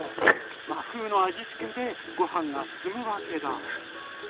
和風の味付けでご飯が進むわけだ。